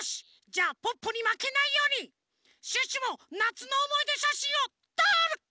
じゃあポッポにまけないようにシュッシュもなつのおもいでしゃしんをとる！